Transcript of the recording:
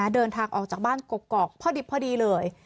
เดินทางออกจากบ้านกกอกพอดิบพอดีเลย